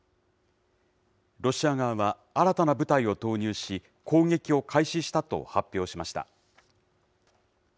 ロシア側は新たな部隊を投入し、攻撃を開始したと発表しました。